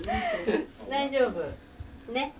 大丈夫。ね。